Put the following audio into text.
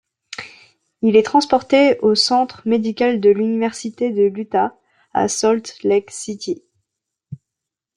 Il est transporté au Centre médical de l'Université de l'Utah à Salt Lake City.